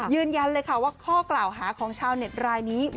ยืนยันเลยค่ะว่าข้อกล่าวหาของชาวเน็ตรายนี้